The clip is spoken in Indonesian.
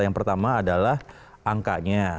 yang pertama adalah angkanya